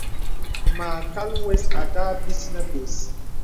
Mâkal wə̀s àtâ bis nə bə̀s.